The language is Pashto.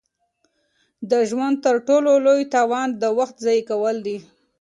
د ژوند تر ټولو لوی تاوان د وخت ضایع کول دي.